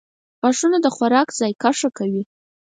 • غاښونه د خوراک ذایقه ښه کوي.